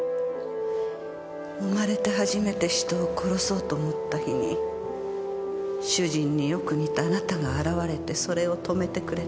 生まれて初めて人を殺そうと思った日に主人によく似たあなたが現れてそれを止めてくれた。